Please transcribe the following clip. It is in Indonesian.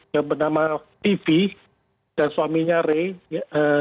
yang bernama tivi dan suaminya ray